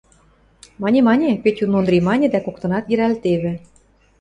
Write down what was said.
– Мане, мане, – Петюн Ондри маньы, дӓ коктынат йӹрӓлтевӹ.